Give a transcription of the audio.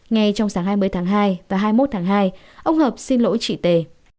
ngay trong sáng hai mươi tháng hai và hai mươi một tháng hai ông hợp xin lỗi chị tề